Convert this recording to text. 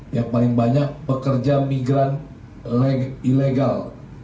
yang paling banyak pekerja migran ilegal